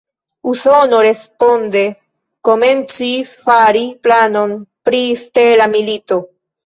Usono responde komencis fari planon pri "stela milito".